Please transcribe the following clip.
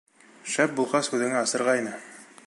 Шәп булғас, үҙеңә асырға ине.